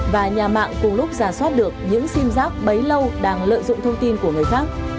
và nhà mạng cùng lúc giả soát được những sim giác bấy lâu đang lợi dụng thông tin của người khác